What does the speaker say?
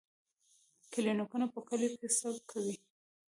کلینیکونه په کلیو کې څه کوي؟